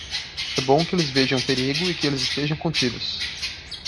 É bom que eles vejam o perigo e que eles estejam contidos.